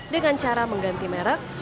dengan cara mengganti merek